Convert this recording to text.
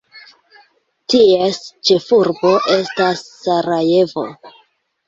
Ties ĉefurbo estas Sarajevo.